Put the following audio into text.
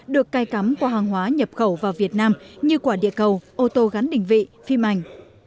được cai cắm qua hàng hóa nhập khẩu vào việt nam như quả địa cầu ô tô gắn đỉnh vị phim ảnh